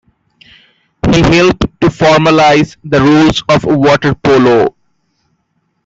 He helped to formalise the rules of water polo.